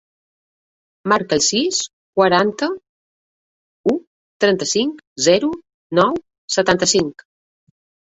Marca el sis, quaranta-u, trenta-cinc, zero, nou, setanta-cinc.